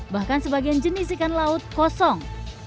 bahkan sebagian jenis ikan laut kosong